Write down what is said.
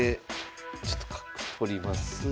ちょっと角取ります。